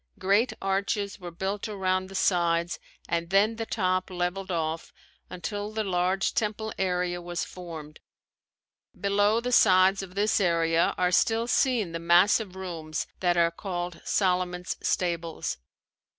Great arches were built around the sides and then the top leveled off until the large temple area was formed. Below the sides of this area are still seen the massive rooms that are called Solomon's stables.